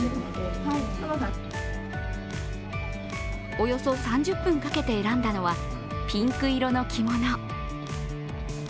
およそ３０分かけて選んだのはピンク色の着物。